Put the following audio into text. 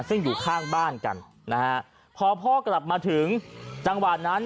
ซึ่งอยู่ข้างบ้านกันนะฮะพอพ่อกลับมาถึงจังหวะนั้น